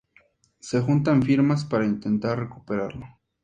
Se juntan firmas para intentar recuperarlo.